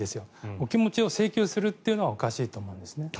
お気持ちを請求するのはおかしいと思うんですね。